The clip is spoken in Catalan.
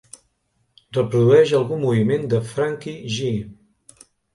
Reprodueix algun moviment de Franky Gee